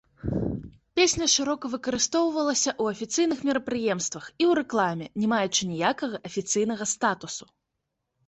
Песня шырока выкарыстоўвалася ў афіцыйных мерапрыемствах і ў рэкламе, не маючы ніякага афіцыйнага статусу.